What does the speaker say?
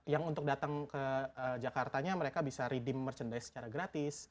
yang untuk datang ke jakartanya mereka bisa rediem merchandise secara gratis